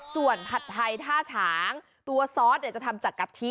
ส่วนผัดไทยท่าฉางตัวซอสเนี่ยจะทำจากกะทิ